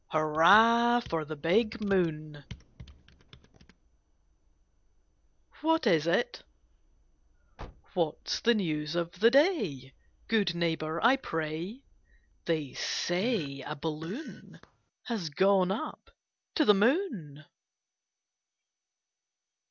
Hurrah for the big moon ! WHAT IS IT What's the news of the day, Good neighbor, I pray ? They say a balloon Has gone up to the moon.